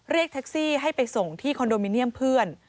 เรียกแท็กซี่ให้ไปส่งที่คอนโดมิเนียมเพื่อน